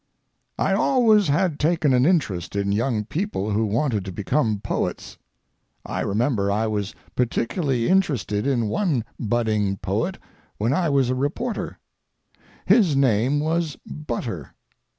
I always had taken an interest in young people who wanted to become poets. I remember I was particularly interested in one budding poet when I was a reporter. His name was Butter.